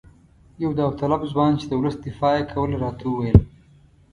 یو داوطلب ځوان چې د ولس دفاع یې کوله راته وویل.